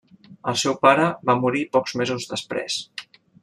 El seu pare va morir pocs mesos després.